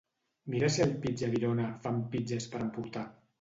Mira si al Pizza Virona fan pizzes per emportar.